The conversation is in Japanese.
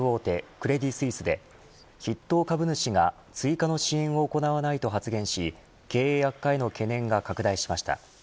クレディ・スイスで筆頭株主が追加の支援を行わないと発言し経営悪化への懸念が拡大しました。